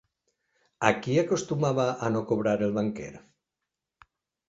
A qui acostumava a no cobrar el barquer?